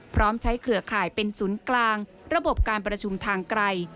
พร้อมใช้เครือข่ายเป็นศูนย์กลางระบบการประชุมทางไกล